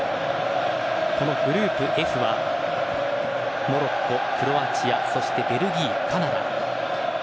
グループＦはモロッコ、クロアチアそしてベルギー、カナダ。